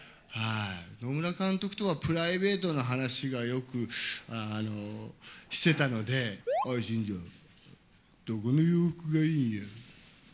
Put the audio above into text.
野村監督とはプライベートな話をよくしてたので、おい、新庄、どこの洋服がいいんや？